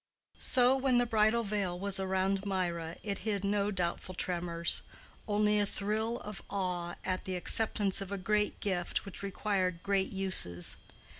So, when the bridal veil was around Mirah it hid no doubtful tremors—only a thrill of awe at the acceptance of a great gift which required great uses.